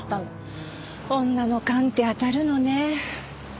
女の勘って当たるのね。